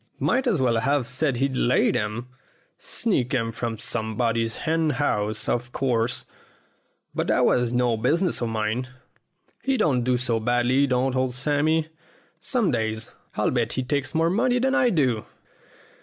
Might as well have said he'd laid 'em. Sneaked 'em from somebody's hen house, of course, but that was no business of mine. He don't do so badly, don't old Sammy. Some days I'll bet he takes more money than I do."